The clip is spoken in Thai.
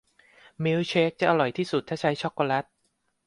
มิลค์เชคจะอร่อยที่สุดถ้าใช้ช็อคโกแล็ต